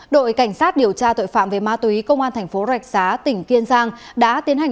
đội cảnh sát điều tra tội phạm về ma túy công an tp rạch giá tỉnh kiên giang